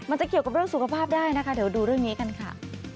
จะเกี่ยวกับเรื่องสุขภาพได้นะคะเดี๋ยวดูเรื่องนี้กันค่ะ